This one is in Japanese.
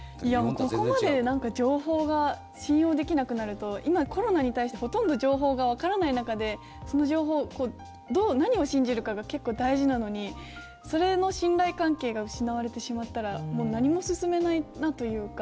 ここまで情報が信用できなくなると今、コロナに対してほとんど情報がわからない中でその情報をどう何を信じるかが結構、大事なのにそれの信頼関係が失われてしまったらもう何も進めないなというか。